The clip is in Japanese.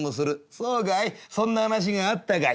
「そうかいそんな話があったかい。